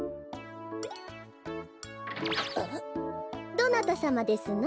どなたさまですの？